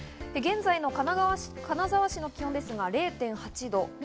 現在の金沢市の気温ですが、０．８度。